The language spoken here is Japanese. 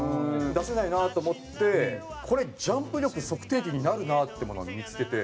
出せないなと思ってこれジャンプ力測定器になるなっていうものを見付けて。